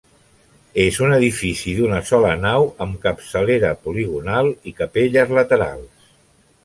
És un edifici d'una sola nau amb capçalera poligonal i capelles laterals.